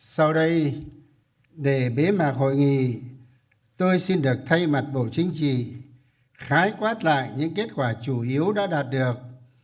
sau đây để bế mạc hội nghị tôi xin được thay mặt bộ chính trị khái quát lại những kết quả chủ yếu đã đạt được